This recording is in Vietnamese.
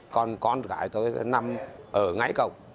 con gái tôi nằm ở ngay cổng